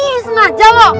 ih sengaja lo